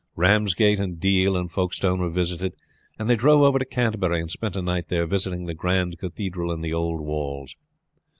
Ramsgate and Deal and Folkestone were visited, and they drove over to Canterbury and spent a night there visiting the grand cathedral and the old walls.